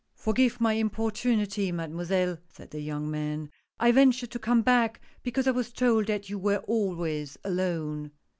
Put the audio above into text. "Forgive my importunity, Mademoiselle," said the young man ;" I ventured to come back because I was told that you were always alone."